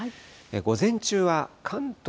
午前中は、関東